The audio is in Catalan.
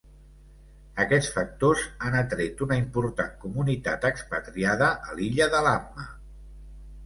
Aquests factors han atret una important comunitat expatriada a l'illa de Lamma.